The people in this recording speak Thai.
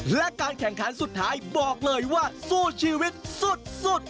และการแข่งขันสุดท้ายบอกเลยว่าสู้ชีวิตสุด